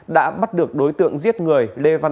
đã bắt được đối tượng giết người